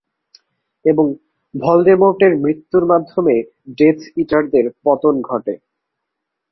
এবং ভলডেমর্টের মৃত্যুর মাধ্যমে ডেথ ইটারদের পতন ঘটে।